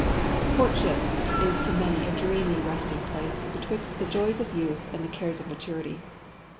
Courtship is to many a dreamy resting place betwixt the joys of youth and the cares of maturity.